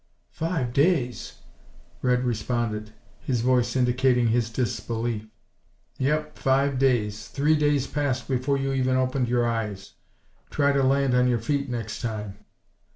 "Five days?" Red responded, his voice indicating his disbelief. "Yep, five days. Three days passed before you even opened your eyes. Try and land on your feet, next time."